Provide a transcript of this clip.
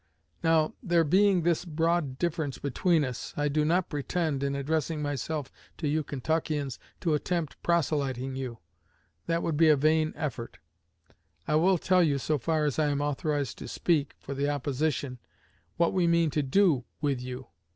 Now, there being this broad difference between us, I do not pretend, in addressing myself to you Kentuckians, to attempt proselyting you; that would be a vain effort. I will tell you, so far as I am authorized to speak for the opposition, what we mean to do with you.